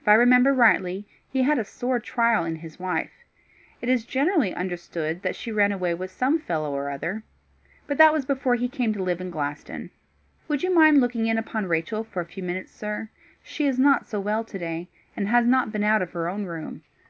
If I remember rightly, he had a sore trial in his wife. It is generally understood that she ran away with some fellow or other. But that was before he came to live in Glaston. Would you mind looking in upon Rachel for a few minutes, sir? She is not so well to day, and has not been out of her own room."